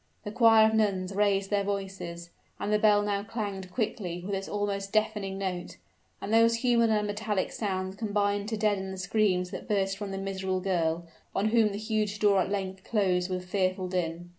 The choir of nuns raised their voices, and the bell now clanged quickly with its almost deafening note and those human and metallic sounds combined to deaden the screams that burst from the miserable girl, on whom the huge door at length closed with fearful din.